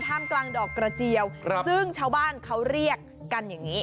ท่ามกลางดอกกระเจียวซึ่งชาวบ้านเขาเรียกกันอย่างนี้